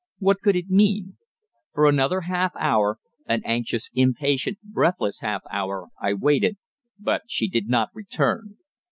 What could it mean? For another half hour an anxious, impatient, breathless half hour I waited, but she did not return.